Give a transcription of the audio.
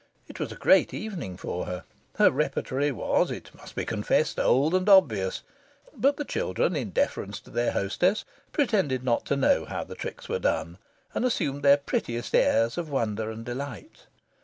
It was a great evening for her. Her repertory was, it must be confessed, old and obvious; but the children, in deference to their hostess, pretended not to know how the tricks were done, and assumed their prettiest airs of wonder and delight.